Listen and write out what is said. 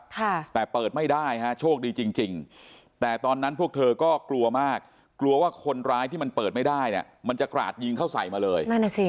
ค่ะแต่เปิดไม่ได้ฮะโชคดีจริงจริงแต่ตอนนั้นพวกเธอก็กลัวมากกลัวว่าคนร้ายที่มันเปิดไม่ได้เนี่ยมันจะกราดยิงเข้าใส่มาเลยนั่นอ่ะสิ